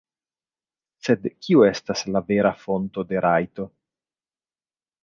Sed kiu estas la vera fonto de rajto?